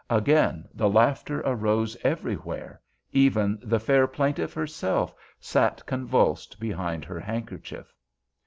Again the laughter arose everywhere—even the fair plaintiff herself sat convulsed behind her handkerchief.